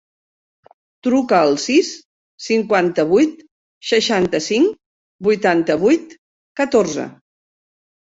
Truca al sis, cinquanta-vuit, seixanta-cinc, vuitanta-vuit, catorze.